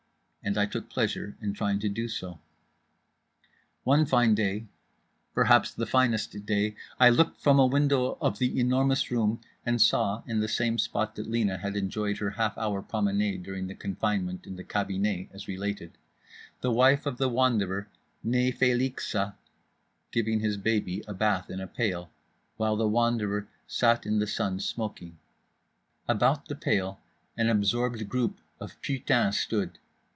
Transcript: And I took pleasure in trying to do so. One fine day, perhaps the finest day, I looked from a window of The Enormous Room and saw (in the same spot that Lena had enjoyed her half hour promenade during confinement in the cabinet, as related) the wife of The Wanderer, "née Feliska," giving his baby a bath in a pail, while The Wanderer sat in the sun smoking. About the pail an absorbed group of putains stood.